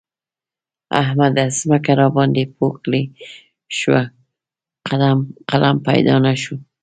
احمده! ځمکه راباندې يوه کړۍ شوه؛ قلم پيدا نه شو.